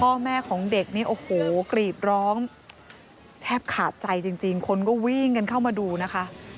พ่อแม่ของเด็กนี่โอ้โหกรีดร้องแทบขาดใจจริงคนก็วิ่งกันเข้ามาดูนะคะ